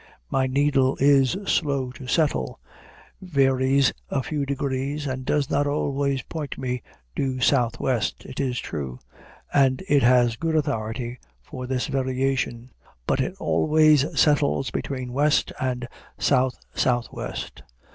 My needle is slow to settle, varies a few degrees, and does not always point due south west, it is true, and it has good authority for this variation, but it always settles between west and south south west.